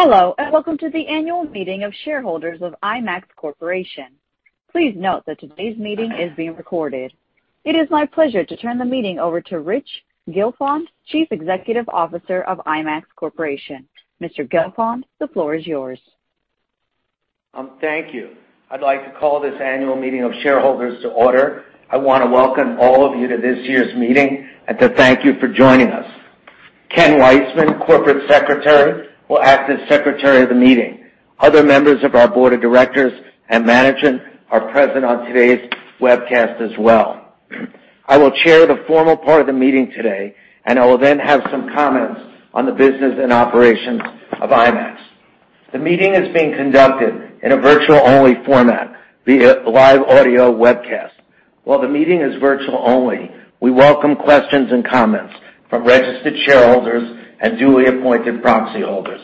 Hello, and welcome to the annual meeting of shareholders of IMAX Corporation. Please note that today's meeting is being recorded. It is my pleasure to turn the meeting over to Rich Gelfond, Chief Executive Officer of IMAX Corporation. Mr. Gelfond, the floor is yours. Thank you. I'd like to call this annual meeting of shareholders to order. I wanna welcome all of you to this year's meeting and to thank you for joining us. Ken Weissman, Corporate Secretary, will act as secretary of the meeting. Other members of our Board of Directors and Management are present on today's webcast as well. I will chair the formal part of the meeting today, and I will then have some comments on the business and operations of IMAX. The meeting is being conducted in a virtual-only format via live audio webcast. While the meeting is virtual only, we welcome questions and comments from registered shareholders and duly appointed proxy holders.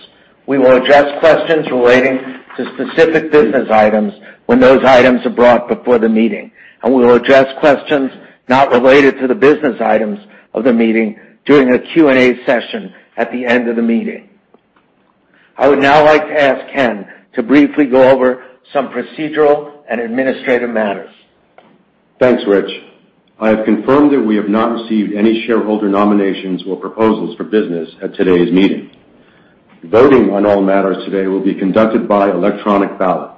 We will address questions relating to specific business items when those items are brought before the meeting, and we will address questions not related to the business items of the meeting during a Q&A session at the end of the meeting. I would now like to ask Ken to briefly go over some procedural and administrative matters. Thanks, Rich. I have confirmed that we have not received any shareholder nominations or proposals for business at today's meeting. Voting on all matters today will be conducted by electronic ballot.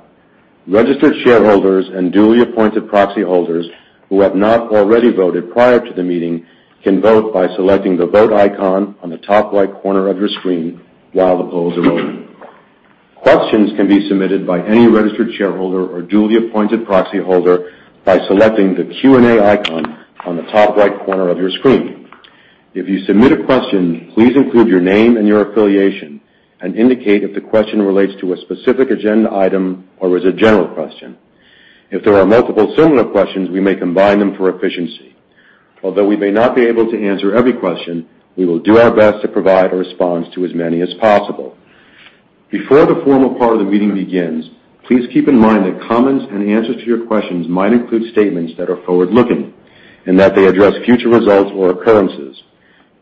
Registered shareholders and duly appointed proxy holders who have not already voted prior to the meeting can vote by selecting the Vote icon on the top right corner of your screen while the polls are open. Questions can be submitted by any registered shareholder or duly appointed proxy holder by selecting the Q&A icon on the top right corner of your screen. If you submit a question, please include your name and your affiliation and indicate if the question relates to a specific agenda item or is a general question. If there are multiple similar questions, we may combine them for efficiency. Although we may not be able to answer every question, we will do our best to provide a response to as many as possible. Before the formal part of the meeting begins, please keep in mind that comments and answers to your questions might include statements that are forward-looking and that they address future results or occurrences.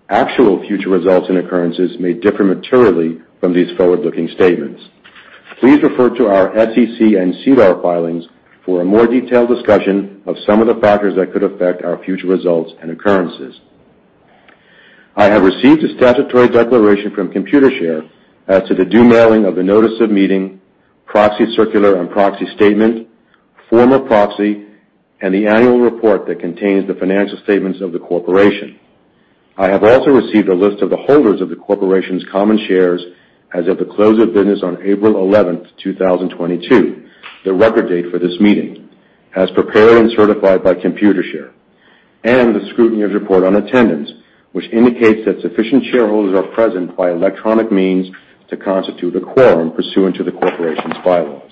Actual future results and occurrences may differ materially from these forward-looking statements. Please refer to our SEC and SEDAR filings for a more detailed discussion of some of the factors that could affect our future results and occurrences. I have received a statutory declaration from Computershare as to the due mailing of the notice of meeting, proxy circular and proxy statement, form of proxy, and the annual report that contains the financial statements of the corporation. I have also received a list of the holders of the corporation's common shares as of the close of business on April 11, 2022, the record date for this meeting, as prepared and certified by Computershare, and the scrutineer's report on attendance, which indicates that sufficient shareholders are present by electronic means to constitute a quorum pursuant to the corporation's bylaws.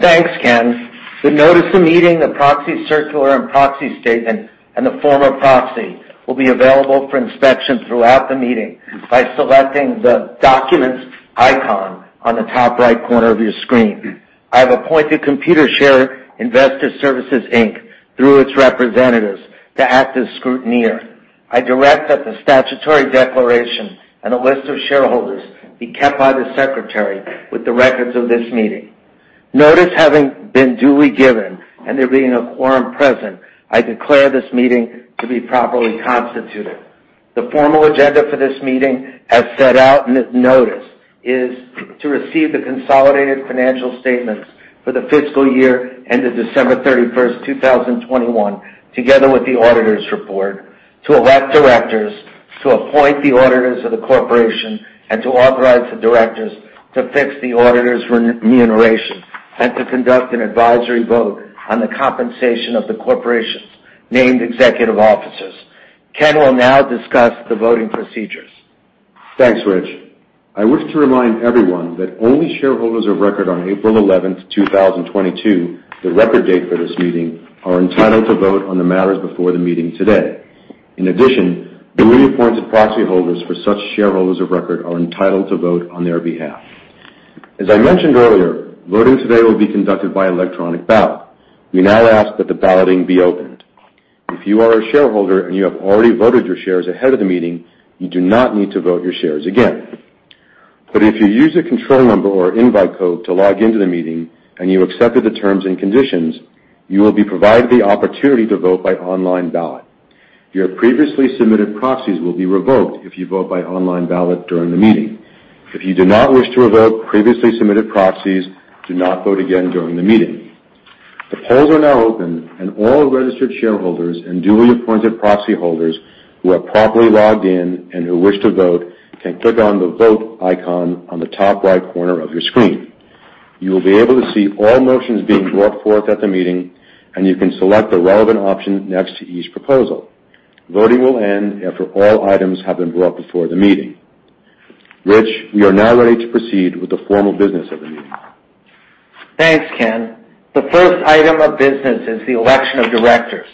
Thanks, Ken. The notice of meeting, the Proxy Circular and Proxy Statement, and the form of proxy will be available for inspection throughout the meeting by selecting the Documents icon on the top right corner of your screen. I have appointed Computershare Investor Services Inc., through its representatives, to act as scrutineer. I direct that the statutory declaration and a list of shareholders be kept by the secretary with the records of this meeting. Notice having been duly given and there being a quorum present, I declare this meeting to be properly constituted. The formal agenda for this meeting, as set out in the notice, is to receive the consolidated financial statements for the fiscal year ended December 31, 2021, together with the auditor's report, to elect directors, to appoint the auditors of the corporation, and to authorize the directors to fix the auditor's remuneration, and to conduct an advisory vote on the compensation of the corporation's named executive officers. Ken will now discuss the voting procedures. Thanks, Rich. I wish to remind everyone that only shareholders of record on April 11, 2022, the record date for this meeting, are entitled to vote on the matters before the meeting today. In addition, duly appointed proxy holders for such shareholders of record are entitled to vote on their behalf. As I mentioned earlier, voting today will be conducted by Electronic Ballot. We now ask that the balloting be opened. If you are a shareholder and you have already voted your shares ahead of the meeting, you do not need to vote your shares again. If you use a control number or invite code to log into the meeting and you accepted the terms and conditions, you will be provided the opportunity to vote by online ballot. Your previously submitted proxies will be revoked if you vote by online ballot during the meeting. If you do not wish to revoke previously submitted proxies, do not vote again during the meeting. The polls are now open, and all registered shareholders and duly appointed proxy holders who have properly logged in and who wish to vote can click on the vote icon on the top right corner of your screen. You will be able to see all motions being brought forth at the meeting, and you can select the relevant option next to each proposal. Voting will end after all items have been brought before the meeting. Rich, we are now ready to proceed with the formal business of the meeting. Thanks, Ken. The first item of business is the election of directors.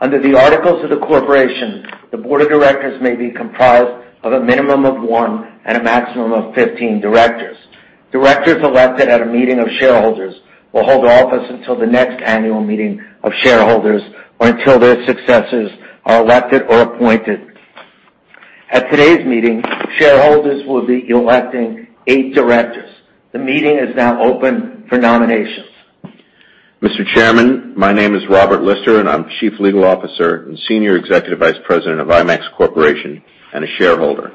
Under the articles of the corporation, the Board of Directors may be comprised of a minimum of one and a maximum of 15 directors. Directors elected at a meeting of shareholders will hold office until the next annual meeting of shareholders or until their successors are elected or appointed. At today's meeting, shareholders will be electing eight directors. The meeting is now open for nominations. Mr. Chairman, my name is Robert Lister, and I'm Chief Legal Officer and Senior Executive Vice President of IMAX Corporation and a shareholder.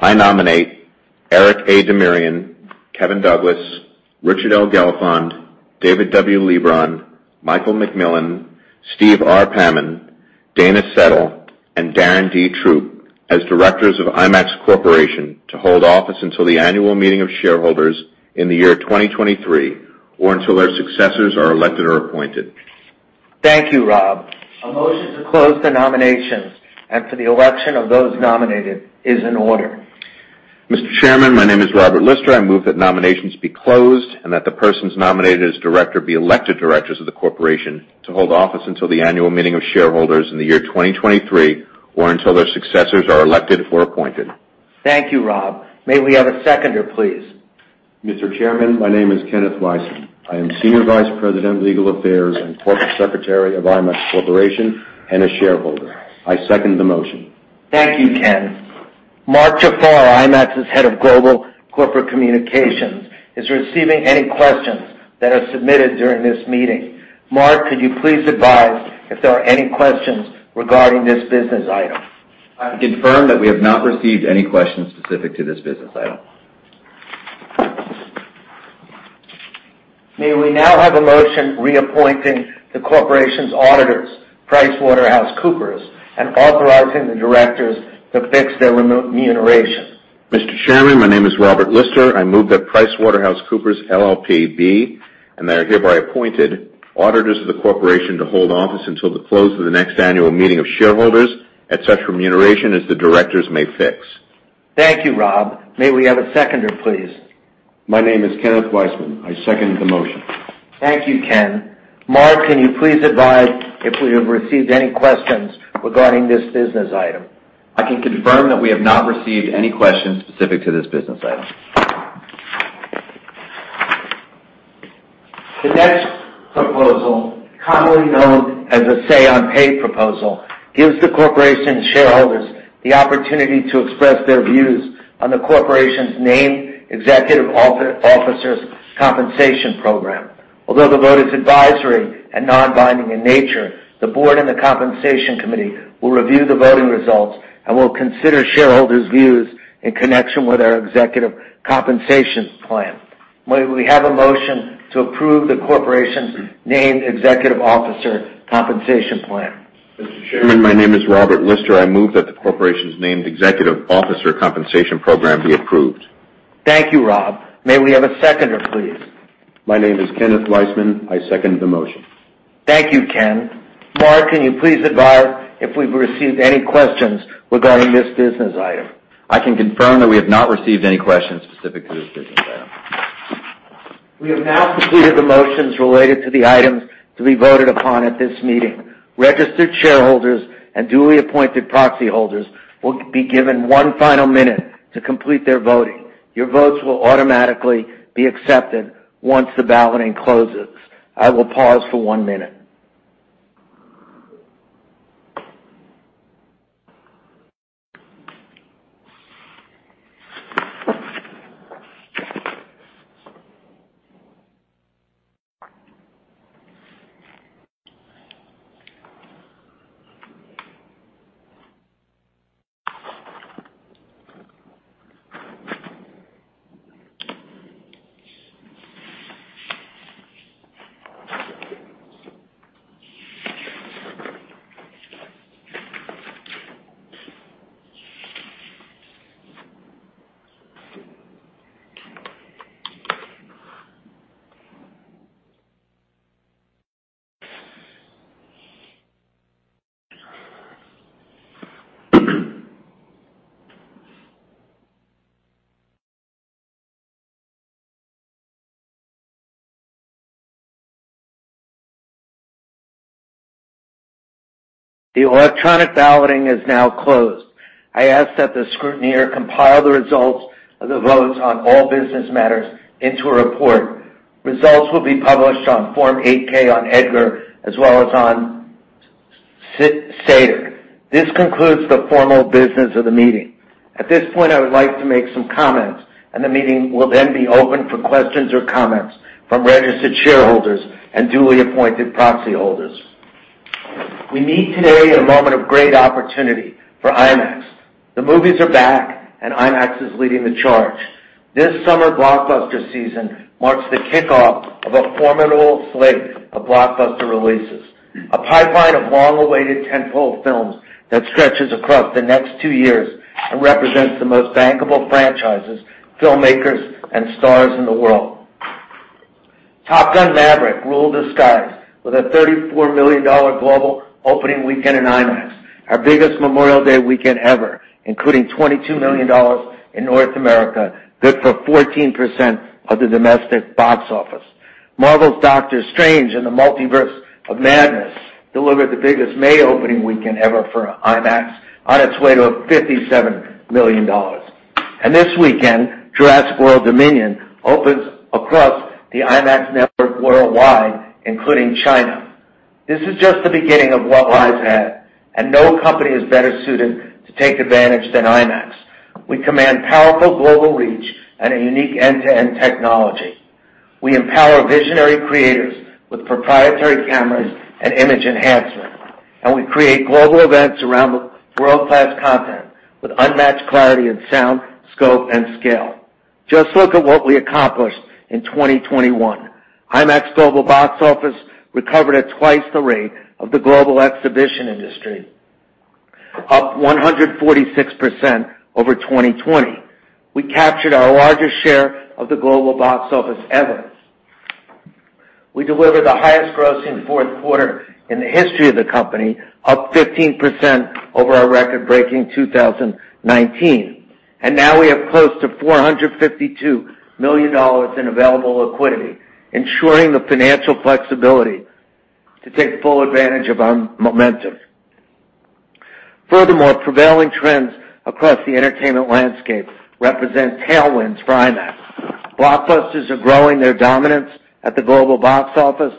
I nominate Eric A. Demirian, Kevin Douglas, Richard L. Gelfond, David W. Leebron, Michael MacMillan, Steve R. Pamon, Dana Settle, and Darren D. Throop as directors of IMAX Corporation to hold office until the annual meeting of shareholders in the year 2023, or until their successors are elected or appointed. Thank you, Rob. A motion to close the nominations and for the election of those nominated is in order. Mr. Chairman, my name is Robert Lister. I move that nominations be closed and that the persons nominated as director be elected directors of the corporation to hold office until the annual meeting of shareholders in the year 2023, or until their successors are elected or appointed. Thank you, Rob. May we have a seconder, please? Mr. Chairman, my name is Kenneth Weissman. I am Senior Vice President, Legal Affairs, and Corporate Secretary of IMAX Corporation and a shareholder. I second the motion. Thank you, Ken. Mark Jafar, IMAX's Head of Global Corporate Communications, is receiving any questions that are submitted during this meeting. Mark, could you please advise if there are any questions regarding this business item? I confirm that we have not received any questions specific to this business item. May we now have a motion reappointing the corporation's auditors, PricewaterhouseCoopers, and authorizing the directors to fix their remuneration? Mr. Chairman, my name is Robert Lister. I move that PricewaterhouseCoopers LLP be, and they are hereby appointed, auditors of the corporation to hold office until the close of the next annual meeting of shareholders at such remuneration as the directors may fix. Thank you, Rob. May we have a seconder, please? My name is Kenneth Weissman. I second the motion. Thank you, Ken. Mark, can you please advise if we have received any questions regarding this business item? I can confirm that we have not received any questions specific to this business item. The next proposal, commonly known as a say on pay proposal, gives the corporation's shareholders the opportunity to express their views on the corporation's named executive officers compensation program. Although the vote is advisory and non-binding in nature, the board and the compensation committee will review the voting results and will consider shareholders' views in connection with our executive compensation plan. May we have a motion to approve the corporation's named executive officer compensation plan? Mr. Chairman, my name is Robert Lister. I move that the corporation's named executive officer compensation program be approved. Thank you, Rob. May we have a seconder, please? My name is Kenneth Weissman. I second the motion. Thank you, Ken. Mark, can you please advise if we've received any questions regarding this business item? I can confirm that we have not received any questions specific to this business item. We have now completed the motions related to the items to be voted upon at this meeting. Registered shareholders and duly appointed proxy holders will be given one final minute to complete their voting. Your votes will automatically be accepted once the balloting closes. I will pause for one minute. The electronic balloting is now closed. I ask that the scrutineer compile the results of the votes on all business matters into a report. Results will be published on Form 8-K on EDGAR as well as on SEDAR. This concludes the formal business of the meeting. At this point, I would like to make some comments, and the meeting will then be open for questions or comments from registered shareholders and duly appointed proxy holders. We meet today in a moment of great opportunity for IMAX. The movies are back, and IMAX is leading the charge. This summer blockbuster season marks the kickoff of a formidable slate of blockbuster releases, a pipeline of long-awaited tentpole films that stretches across the next two years and represents the most bankable franchises, filmmakers, and stars in the world. Top Gun: Maverick ruled the skies with a $34 million global opening weekend in IMAX, our biggest Memorial Day weekend ever, including $22 million in North America, good for 14% of the domestic box office. Marvel's Doctor Strange in the Multiverse of Madness delivered the biggest May opening weekend ever for IMAX on its way to $57 million. This weekend, Jurassic World Dominion opens across the IMAX network worldwide, including China. This is just the beginning of what lies ahead, and no company is better suited to take advantage than IMAX. We command powerful global reach and a unique end-to-end technology. We empower visionary creators with proprietary cameras and image enhancement. We create global events around the world-class content with unmatched clarity and sound, scope, and scale. Just look at what we accomplished in 2021. IMAX global box office recovered at twice the rate of the global exhibition industry, up 146% over 2020. We captured our largest share of the global box office ever. We delivered the highest grossing fourth quarter in the history of the company, up 15% over our record-breaking 2019. Now we have close to $452 million in available liquidity, ensuring the financial flexibility to take full advantage of our momentum. Furthermore, prevailing trends across the entertainment landscape represent tailwinds for IMAX. Blockbusters are growing their dominance at the global box office.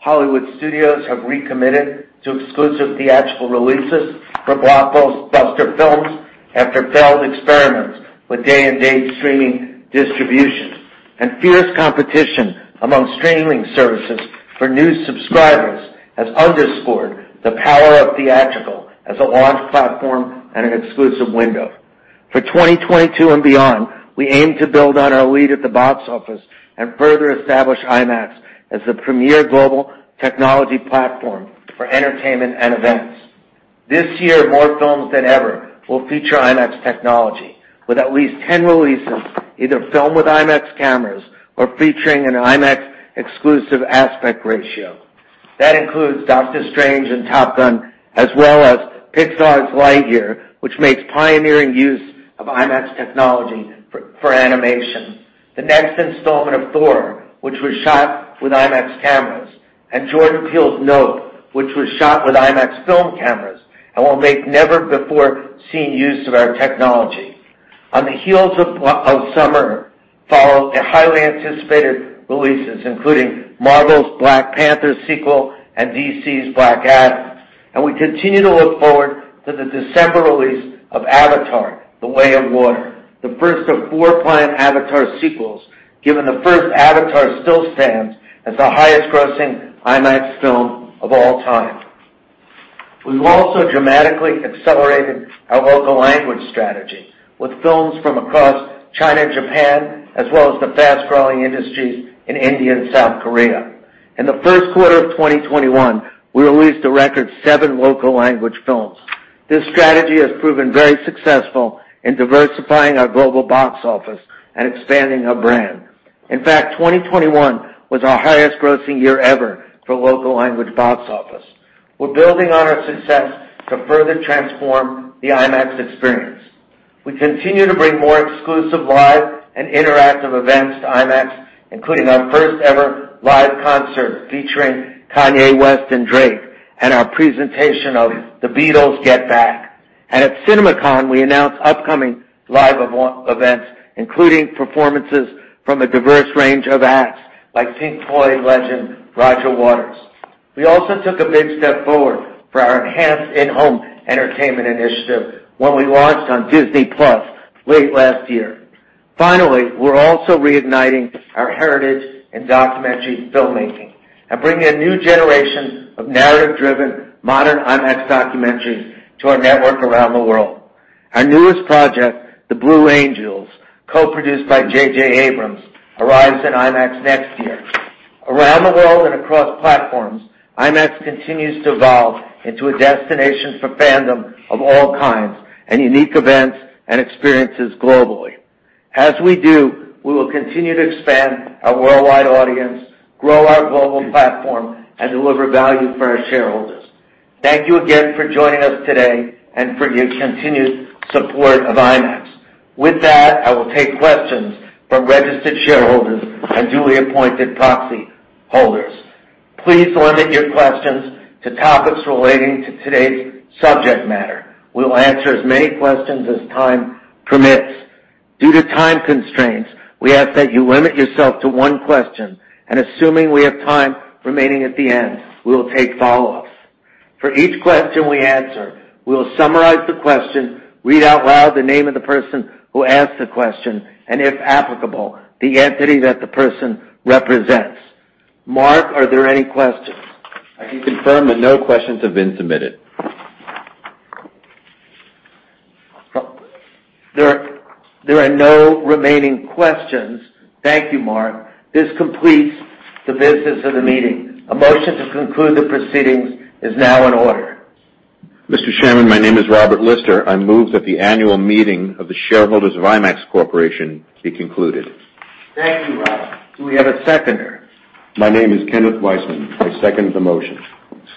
Hollywood studios have recommitted to exclusive theatrical releases for blockbuster films after failed experiments with day-and-date streaming distribution. Fierce competition among streaming services for new subscribers has underscored the power of theatrical as a launch platform and an exclusive window. For 2022 and beyond, we aim to build on our lead at the box office and further establish IMAX as the premier global technology platform for entertainment and events. This year, more films than ever will feature IMAX technology with at least 10 releases, either filmed with IMAX cameras or featuring an IMAX exclusive aspect ratio. That includes Doctor Strange and Top Gun, as well as Pixar's Lightyear, which makes pioneering use of IMAX technology for animation. The next installment of Thor, which was shot with IMAX cameras. Jordan Peele's Nope, which was shot with IMAX film cameras and will make never-before-seen use of our technology. On the heels of summer follow the highly anticipated releases, including Marvel's Black Panther sequel and DC's Black Adam. We continue to look forward to the December release of Avatar: The Way of Water, the first of four planned Avatar sequels, given the first Avatar still stands as the highest grossing IMAX film of all time. We've also dramatically accelerated our local language strategy with films from across China and Japan, as well as the fast-growing industries in India and South Korea. In the first quarter of 2021, we released a record seven local language films. This strategy has proven very successful in diversifying our global box office and expanding our brand. In fact, 2021 was our highest grossing year ever for local language box office. We're building on our success to further transform the IMAX experience. We continue to bring more exclusive live and interactive events to IMAX, including our first-ever live concert featuring Kanye West and Drake, and our presentation of The Beatles: Get Back. At CinemaCon, we announced upcoming live events, including performances from a diverse range of acts by Pink Floyd legend Roger Waters. We also took a big step forward for our enhanced in-home entertainment initiative when we launched on Disney+ late last year. Finally, we're also reigniting our heritage in documentary filmmaking and bringing a new generation of narrative-driven modern IMAX documentaries to our network around the world. Our newest project, The Blue Angels, co-produced by J.J. Abrams, arrives in IMAX next year. Around the world and across platforms, IMAX continues to evolve into a destination for fandom of all kinds and unique events and experiences globally. As we do, we will continue to expand our worldwide audience, grow our global platform, and deliver value for our shareholders. Thank you again for joining us today and for your continued support of IMAX. With that, I will take questions from registered shareholders and duly appointed proxy holders. Please limit your questions to topics relating to today's subject matter. We will answer as many questions as time permits. Due to time constraints, we ask that you limit yourself to one question, and assuming we have time remaining at the end, we will take follow-ups. For each question we answer, we will summarize the question, read out loud the name of the person who asked the question, and if applicable, the entity that the person represents. Mark, are there any questions? I can confirm that no questions have been submitted. There are no remaining questions. Thank you, Mark. This completes the business of the meeting. A motion to conclude the proceedings is now in order. Mr. Chairman, my name is Robert Lister. I move that the annual meeting of the shareholders of IMAX Corporation be concluded. Thank you, Robert. Do we have a seconder? My name is Kenneth Weissman. I second the motion.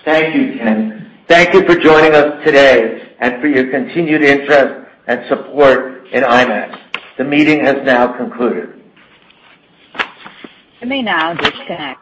Thank you, Ken. Thank you for joining us today and for your continued interest and support in IMAX. The meeting has now concluded. You may now disconnect.